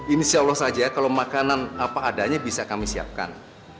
insya allah saja kalau makanan apa adanya bisa kami siapkan